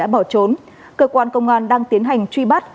bỏ trốn cơ quan công an đang tiến hành truy bắt